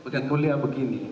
yang mulia begini